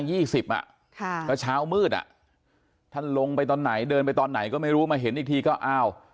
ก็เช้ามืดอ่ะท่านลงไปตอนไหนเดินไปตอนไหนก็ไม่รู้มาเห็นอีกทีก็อ้าว